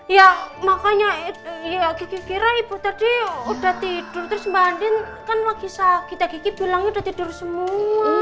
ya makanya ya gigi kira ibu tadi udah tidur terus mbak andin kan lagi kita gigi bilangnya udah tidur semua